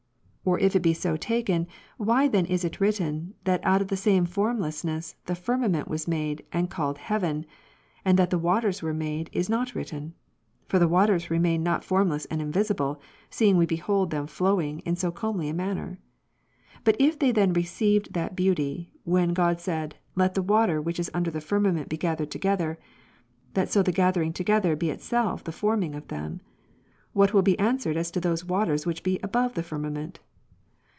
Or if it be so taken; why* then is it written, that out of the same formlessness, the firmament was made, and called heaven ; and that the ivaters were made, is not written? For the waters remain not formless and invisible, seeing we behold them flowing in so comely a manner. But if they then received that beauty, when God said. Let the water which is under the firmament be gathered together, that so the gathering together, be itself the forming of them ; what will be answered as to those ivaters which he above the firmament